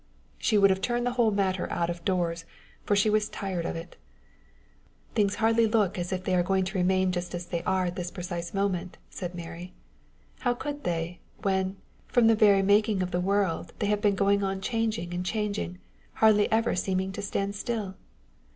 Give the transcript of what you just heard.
She would have turned the whole matter out of doors, for she was tired of it. "Things hardly look as if they were going to remain just as they are at this precise moment," said Mary. "How could they, when, from the very making of the world, they have been going on changing and changing, hardly ever even seeming to standstill?"